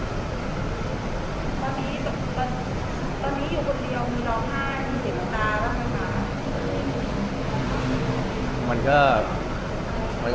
มันก็มันก็ต้องมีอ่ะนะ